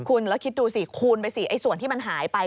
คุณแล้วคิดดูสิคูณไปสิส่วนที่มันหายไป